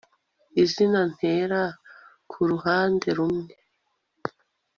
izina ntera ku ruhande rumwe